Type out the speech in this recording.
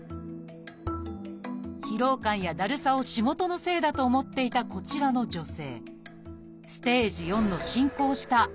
疲労感やだるさを仕事のせいだと思っていたこちらの女性。